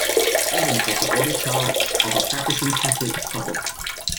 Evans was the oldest child of a practicing Catholic couple.